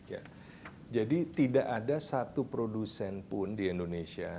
ya jadi tidak ada satu produsen pun di indonesia